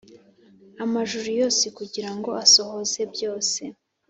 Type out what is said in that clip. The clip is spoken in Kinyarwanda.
amajuru yose kugira ngo asohoze byose